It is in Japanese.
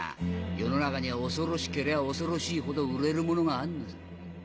世の中には恐ろしけりゃ恐ろしいほど売れるものがあるのさ。